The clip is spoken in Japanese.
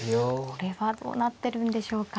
これはどうなってるんでしょうか。